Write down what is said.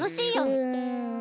うん。